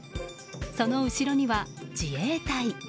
その後ろには、自衛隊。